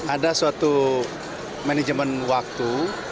ada suatu manajemen waktu